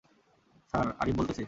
Sir Arif বলতেছি।